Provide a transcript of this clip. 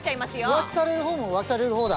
浮気される方も浮気される方だ。